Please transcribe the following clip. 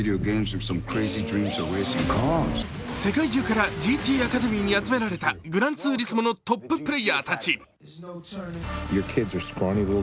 世界中からＧＴアカデミーに集められた「グランツーリスモ」のトッププレーヤーたち。